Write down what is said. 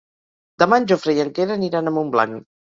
Demà en Jofre i en Quer aniran a Montblanc.